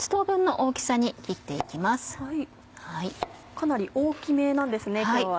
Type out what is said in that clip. かなり大きめなんですね今日は。